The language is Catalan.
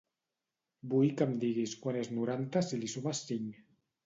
Vull que em diguis quant és noranta si li sumes cinc.